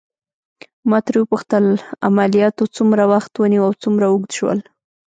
ما ترې وپوښتل: عملياتو څومره وخت ونیو او څومره اوږد شول؟